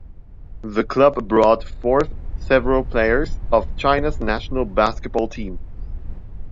The club brought forth several players of China's national basketball team.